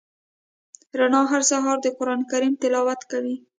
رڼا هر سهار د قران کریم تلاوت کوي.